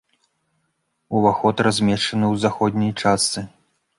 Уваход размешчаны ў заходняй частцы.